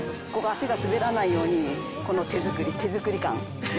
足が滑らないように、この手作り、手作り感。